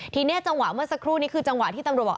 ทีนี้จังหวะเมื่อสักครู่นี้คือจังหวะที่ตำรวจบอก